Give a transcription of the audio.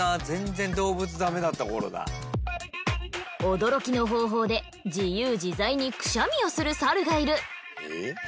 驚きの方法で自由自在にくしゃみをするサルがいる。